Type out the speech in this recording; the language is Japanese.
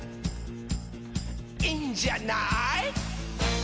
「いいんじゃない？」